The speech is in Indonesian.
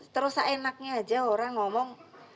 terus seenaknya aja orang ngomong